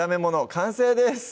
完成です